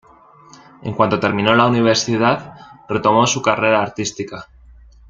En cuanto terminó la universidad, retomó su carrera artística.